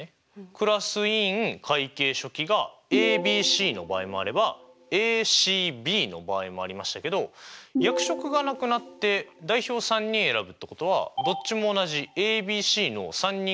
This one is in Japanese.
クラス委員会計書記がＡＢＣの場合もあればＡＣＢの場合もありましたけど役職がなくなって代表３人選ぶってことはどっちも同じＡＢＣの３人組ってことですもんね。